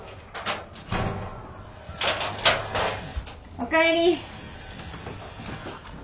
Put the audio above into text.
お帰り。